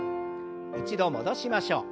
一度戻しましょう。